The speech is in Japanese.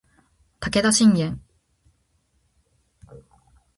武田信玄